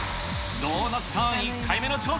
ドーナツターン１回目の挑戦。